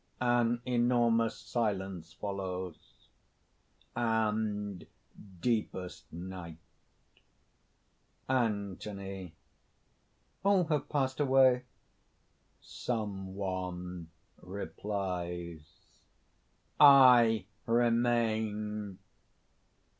(An enormous silence follows, and deepest night.) ANTHONY. "All have passed away!" SOME ONE (replies): "I remain!"